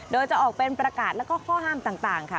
โดยจะออกเป็นประกาศแล้วก็ข้อห้ามต่างค่ะ